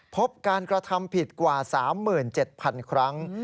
พบการกระทำผิดกว่า๓๗๐๐๐ครั้ง